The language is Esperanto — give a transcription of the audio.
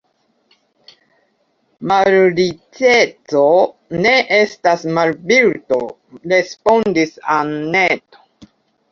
Malriĉeco ne estas malvirto, respondis Anneto.